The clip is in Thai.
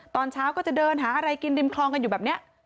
ตอนเช้าก็จะเดินหาอะไรกินริมคลองกันอยู่แบบนี้